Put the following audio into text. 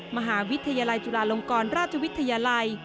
มหาวิทยาลัยจุฬาลงกรราชวิทยาลัย